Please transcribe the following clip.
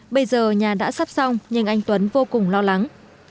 bây giờ nhà đã sắp xong nhưng anh tuấn vô cùng lo lắng